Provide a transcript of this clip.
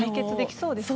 そうですよね。